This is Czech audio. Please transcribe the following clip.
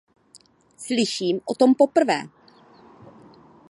Slyším o tom poprvé.